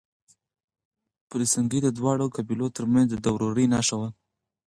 پل سنګي د دواړو قبيلو ترمنځ د ورورۍ نښه وه.